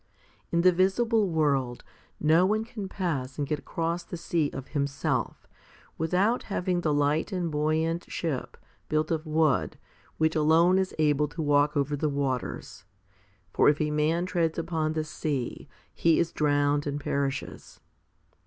6. In the visible world, no one can pass and get across the sea of himself, without having the light and buoyant ship, built of wood, which alone is able to walk over the waters for if a man treads upon the sea, he is drowned and perishes.